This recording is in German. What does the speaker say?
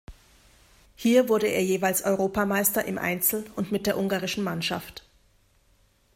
Hier wurde er jeweils Europameister im Einzel und mit der ungarischen Mannschaft.